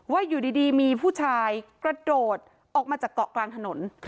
อยู่ดีมีผู้ชายกระโดดออกมาจากเกาะกลางถนน